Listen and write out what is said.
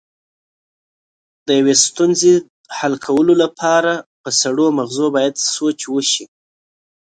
د یوې ستونزې حل کولو لپاره په سړو مغزو باید سوچ وشي.